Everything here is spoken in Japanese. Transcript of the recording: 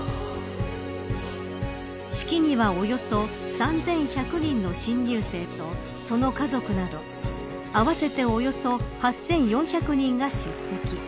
式にはおよそ３１００人の新入生とその家族など合わせておよそ８４００人が出席。